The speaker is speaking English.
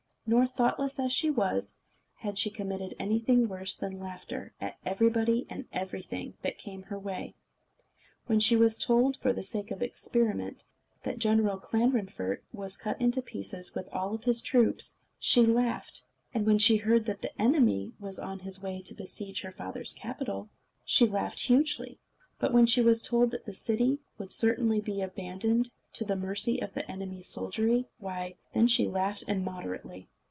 Nor, thoughtless as she was, had she committed anything worse than laughter at everybody and everything that came in her way. When she was told, for the sake of experiment, that General Clanrunfort was cut to pieces with all his troops, she laughed; when she heard that the enemy was on his way to besiege her father's capital, she laughed hugely; but when she was told that the city would certainly be abandoned to the mercy of the enemy's soldiery why, then she laughed immoderately.